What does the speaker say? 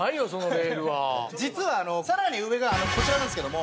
実は更に上がこちらなんですけども。